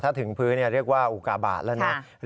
ถ้าถึงพื้นเรียกว่าอุกาบาทแล้วนะ